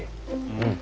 うん。